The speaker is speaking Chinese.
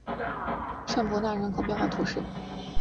尚博纳人口变化图示